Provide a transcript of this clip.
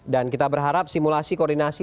dan kita berharap simulasi koordinasi